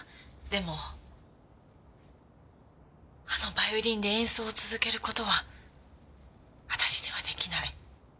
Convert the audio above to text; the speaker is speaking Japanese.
でもあのヴァイオリンで演奏を続ける事は私には出来ない。